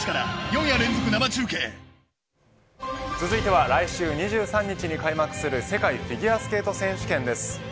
続いては、来週２３日に開幕する世界フィギュアスケート選手権です。